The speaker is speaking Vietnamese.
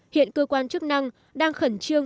hiện cơ quan chức năng đang khẩn trương